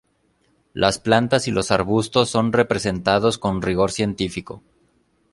Las plantas y los arbustos son representados con rigor científico.